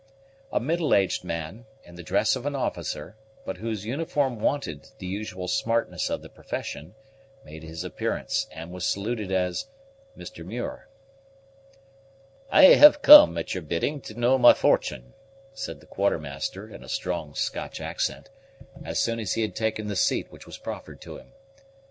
A middle aged man, in the dress of an officer, but whose uniform wanted the usual smartness of the profession, made his appearance, and was saluted as "Mr. Muir." "I have come sir, at your bidding, to know my fortune," said the Quartermaster, in a strong Scotch accent, as soon as he had taken the seat which was proffered to him.